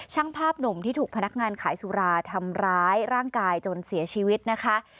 ช่างภาพหนุ่มที่ถูกพนักงานขายสุราทำร้ายร่างกายจนเสียชีวิตนะคะ